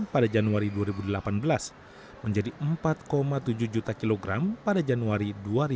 pada januari dua ribu delapan belas menjadi empat tujuh juta kilogram pada januari dua ribu delapan belas